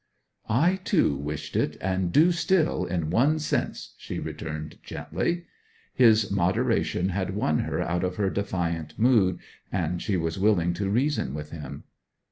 'I, too, wished it and do still, in one sense,' she returned gently. His moderation had won her out of her defiant mood, and she was willing to reason with him.